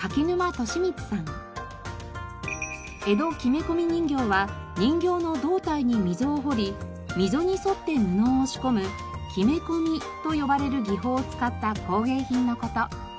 江戸木目込人形は人形の胴体に溝を彫り溝に沿って布を押し込む「木目込み」と呼ばれる技法を使った工芸品の事。